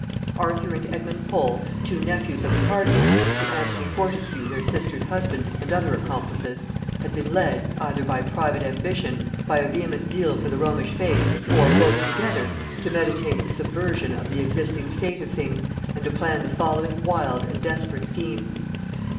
Arthur and Edmund Pole, two nephews of the cardinal, with sir Anthony Fortescue their sister's husband, and other accomplices, had been led, either by private ambition, by a vehement zeal for the Romish faith, or both together, to meditate the subversion of the existing state of things, and to plan the following wild and desperate scheme.